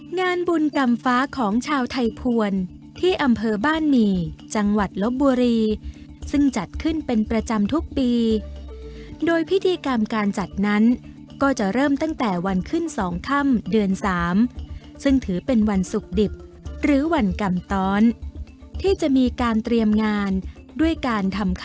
งานบุญกรรมฟ้าของชาวไทยภวรที่อำเภอบ้านหมี่จังหวัดลบบุรีซึ่งจัดขึ้นเป็นประจำทุกปีโดยพิธีกรรมการจัดนั้นก็จะเริ่มตั้งแต่วันขึ้น๒ค่ำเดือน๓ซึ่งถือเป็นวันศุกร์ดิบหรือวันกรรมตอนที่จะมีการเตรียมงานด้วยการทำค